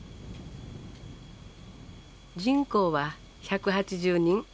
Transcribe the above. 人口は１８０人。